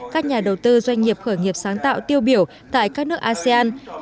các nhà đầu tư doanh nghiệp khởi nghiệp sáng tạo tiêu biểu tại các nước asean